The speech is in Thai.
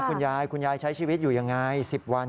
คุณยายคุณยายใช้ชีวิตอยู่ยังไง๑๐วัน